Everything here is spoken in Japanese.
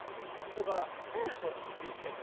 それからおいしそうなビスケット。